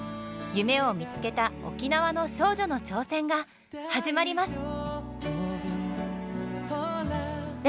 夢を見つけた沖縄の少女の挑戦が始まります！